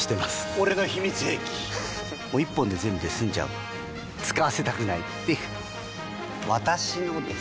俺の秘密兵器１本で全部済んじゃう使わせたくないっていう私のです！